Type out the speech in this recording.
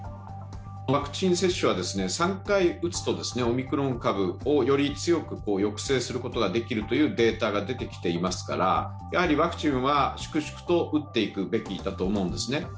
ワクチン接種は３回打つと、オミクロン株をより強く抑制することができるというデータが出てきていますからやはりワクチンは粛々と打っていくべきだと思うんですね。